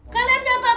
kalian ada apa apa